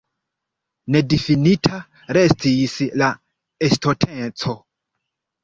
Nedifinita restis la estonteco.